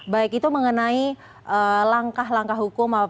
baik itu mengenai langkah langkah hukum